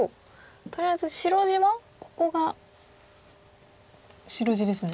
とりあえず白地はここが白地ですね。